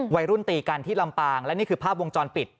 วัยรุ่นตีกันที่ลำปางและนี่คือภาพวงจรปิด